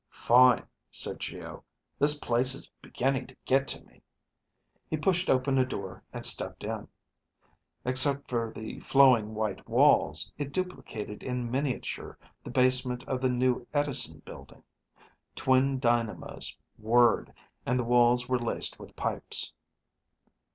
"Fine," said Geo. "This place is beginning to get me." He pushed open a door and stepped in. Except for the flowing white walls, it duplicated in miniature the basement of the New Edison building. Twin dynamos whirred and the walls were laced with pipes.